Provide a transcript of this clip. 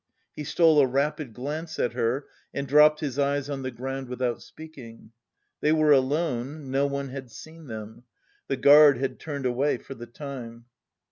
He stole a rapid glance at her and dropped his eyes on the ground without speaking. They were alone, no one had seen them. The guard had turned away for the time.